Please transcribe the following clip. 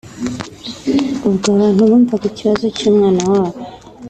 ubwo abantu bumvaga ikibazo cy’umwana wabo